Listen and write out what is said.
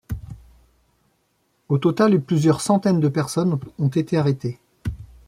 Au total, plusieurs centaines de personnes ont été arrêtées.